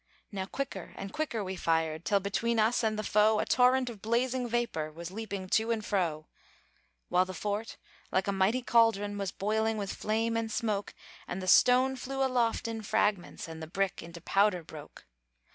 Now quicker and quicker we fired, Till between us and the foe A torrent of blazing vapor Was leaping to and fro; While the fort, like a mighty caldron, Was boiling with flame and smoke, And the stone flew aloft in fragments, And the brick into powder broke.